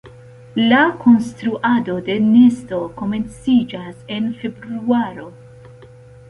La konstruado de nesto komenciĝas en februaro.